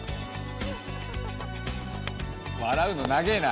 笑うの長えな。